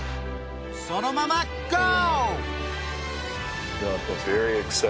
そのままゴー！